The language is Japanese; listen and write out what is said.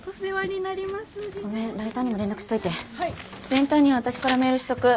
全体には私からメールしとく。